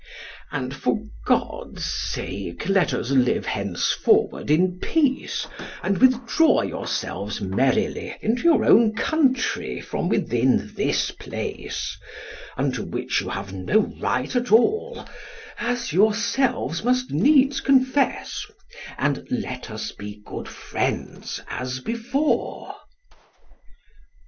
And, for God's sake, let us live henceforward in peace, and withdraw yourselves merrily into your own country from within this place, unto which you have no right at all, as yourselves must needs confess, and let us be good friends as before.